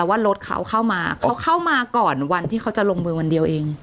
ว่ารถเขาเข้ามาเขาเข้ามาก่อนวันที่เขาจะลงมือวันเดียวเอง